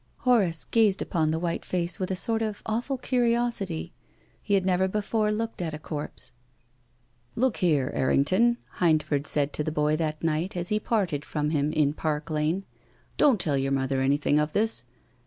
Horace gazed upon the white face with a sort of awful curiosity. He had never before looked at a corpse. " Look here, Errington," Hindford said to the boy that night as he parted from him in Park Lane, " don't tell your mother anything of this."